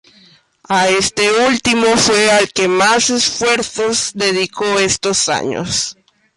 A este último fue al que más esfuerzos dedicó estos años.